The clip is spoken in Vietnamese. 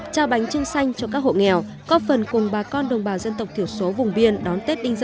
trao bánh trưng xanh cho các hộ nghèo có phần cùng bà con đồng bào dân tộc thiểu số vùng biên đón tết đinh rộng hai nghìn một mươi bảy